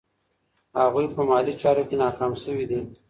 هغوی په مالي چارو کې ناکام شوي دي.